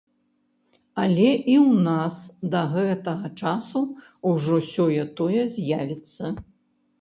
Але і ў нас да гэтага часу ўжо сёе-тое з'явіцца.